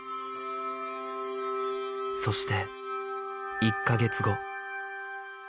そして１カ月後